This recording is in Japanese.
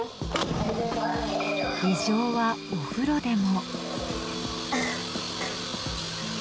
異常は、お風呂でも。